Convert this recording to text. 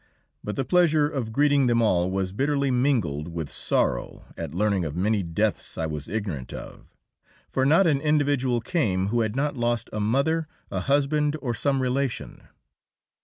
But the pleasure of greeting them all was bitterly mingled with sorrow at learning of many deaths I was ignorant of, for not an individual came who had not lost a mother, a husband, or some relation.